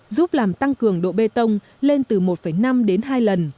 giúp làm tăng cường độ bê tông lên từ một năm đến hai lần